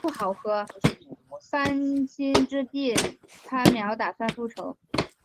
番歆之弟番苗打算复仇。